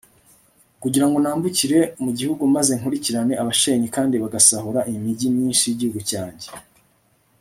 kugira ngo nambukire mu gihugu maze nkurikirane abashenye kandi bagasahura imigi myinshi y'igihugu cyanjye